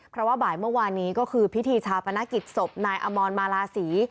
เพราะว่าบ่ายเมื่อวานนี้ก็คือพิธีชาปนกิจศพนายอมรมาลาศรี